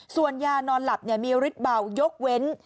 ส่วนยานอนหลับมีฤทธิเบายกเว้น